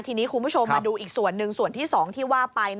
ทีนี้คุณผู้ชมมาดูอีกส่วนหนึ่งส่วนที่๒ที่ว่าไป